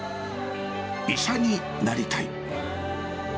医者になりたい。